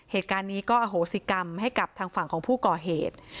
เหตุการณ์นี้ก็อโหสิกรรมให้กับทางฝั่งของผู้ก่อเหตุ